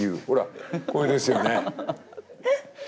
ほらこれですよね。